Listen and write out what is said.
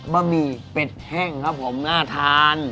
บะหมี่เป็ดแห้งครับผมน่าทาน